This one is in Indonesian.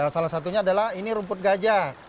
salah satunya adalah ini rumput gajah